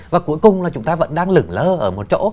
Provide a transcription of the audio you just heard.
và cuối cùng là chúng ta vẫn đang lửng lơ ở một chỗ